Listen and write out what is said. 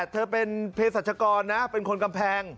เธอเป็นเพศรัชกรนะเป็นคนกำแพง